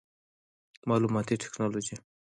معلوماتي ټکنالوجي